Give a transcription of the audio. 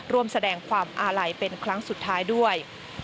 ร่วมแสดงความอาลัยเป็นครั้งสุดท้ายด้วย